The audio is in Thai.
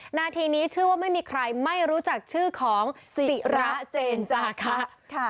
นาทีนี้ชื่อว่าไม่มีใครไม่รู้จักชื่อของศิระเจนจาคะ